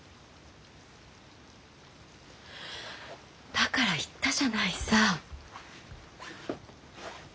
だから言ったじゃないさ。